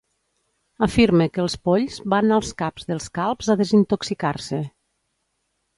Afirme que els polls van als caps dels calbs a desintoxicar-se.